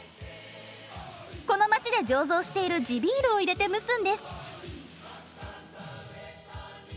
この街で醸造している地ビールを入れて蒸すんです！